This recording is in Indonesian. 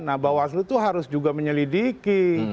nah bawaslu itu harus juga menyelidiki